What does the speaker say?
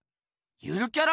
ゆるキャラ？